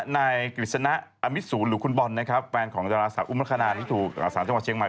นายกฤษณะอมิสูรหรือคุณบอลนะครับแฟนของนักศึกษาอุมารคณานิถุอสารจังหวัดเชียงใหม่